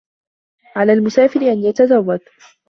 عَلَى الْمُسَافِرِ أَنْ يَتَزَوَّدَ.